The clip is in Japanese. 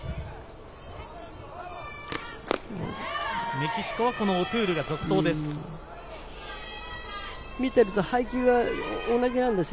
メキシコはオトゥールが続投です。